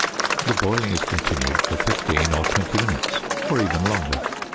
The boiling is continued for 15 or 20 minutes or even longer.